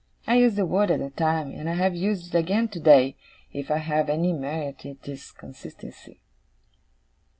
I used the word at the time, and I have used it again, today. If I have any merit it is consistency.